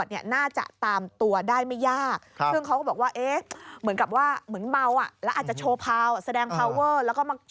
แสดงพาวเวอร์แล้วก็มาโชว์กร่างใส่รอบ